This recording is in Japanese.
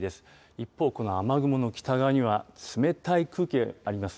一方、この雨雲の北側には、冷たい空気があります。